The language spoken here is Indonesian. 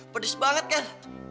pedis banget kan